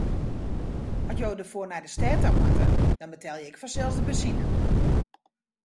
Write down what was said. As jo derfoar nei de stêd ta moatte, dan betelje ik fansels de benzine.